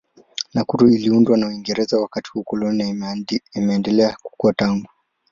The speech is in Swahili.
Nakuru iliundwa na Uingereza wakati wa ukoloni na imeendelea kukua tangu.